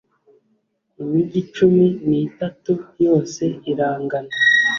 imigi cumi n’ itatu yose irangana.